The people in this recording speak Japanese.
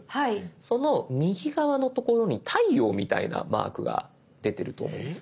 その右側のところに太陽みたいなマークが出てると思います。